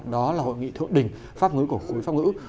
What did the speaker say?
đó là hội nghị thượng đỉnh pháp ngữ của khối pháp ngữ